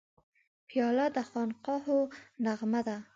پیاله د خانقاهو نغمه ده.